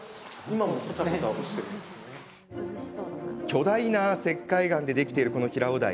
巨大な石灰岩でできている平尾台。